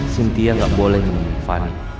cynthia gak boleh menemui fanny